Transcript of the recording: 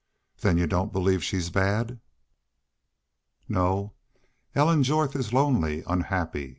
"Then you don't believe she's bad." "No. Ellen Jorth is lonely, unhappy.